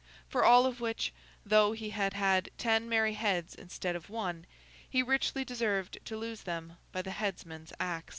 For all of which, though he had had ten merry heads instead of one, he richly deserved to lose them by the headsman's axe.